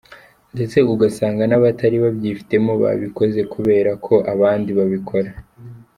Ndetse ugasanga n’abatari babyifitemo babikoze kubera ko abandi babikora.